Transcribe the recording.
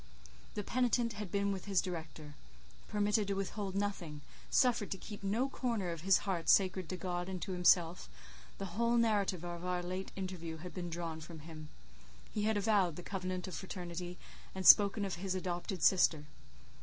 The penitent had been with his director; permitted to withhold nothing; suffered to keep no corner of his heart sacred to God and to himself; the whole narrative of our late interview had been drawn from him; he had avowed the covenant of fraternity, and spoken of his adopted sister.